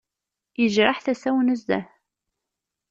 Yejreḥ tasa-w nezzeh.